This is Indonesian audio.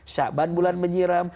syaban bulan menyiram